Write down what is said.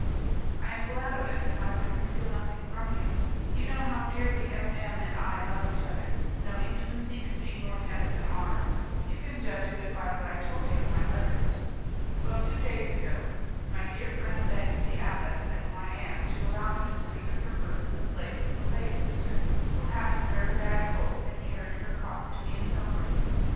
"I am glad of it, and I would conceal nothing from you. You know how dearly M M and I love each other. No intimacy could be more tender than ours; you can judge of it by what I told you in my letters. Well, two days ago, my dear friend begged the abbess and my aunt to allow me to sleep in her room in the place of the lay sister, who, having a very bad cold, had carried her cough to the infirmary.